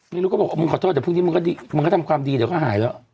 ไม่รู้ก็บอกมึงขอโทษเดี๋ยวพรุ่งนี้มึงก็ทำความดีเดี๋ยวก็หายแล้ว